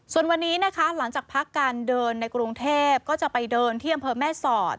ส่วนวันนี้นะคะหลังจากพักการเดินในกรุงเทพก็จะไปเดินที่อำเภอแม่สอด